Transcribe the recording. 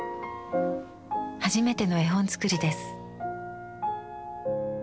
初めての絵本作りです。